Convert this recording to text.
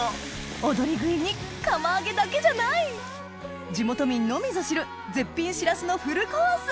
踊り食いに釜揚げだけじゃない地元民のみぞ知る絶品しらすのフルコース！